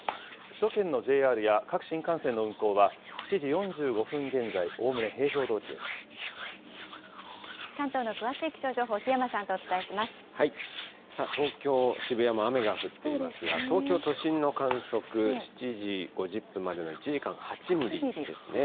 首都圏のＪＲや各新幹線の運行は、７時４５分現在、おおむね平常ど関東の詳しい気象情報、檜山さあ、東京・渋谷も雨が降っていますが、東京都心の観測、７時５０分までの１時間、８ミリですね。